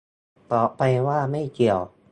ตอบไปว่า "ไม่เกี่ยว"